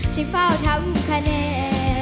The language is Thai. ที่เฝ้าทำคะแนน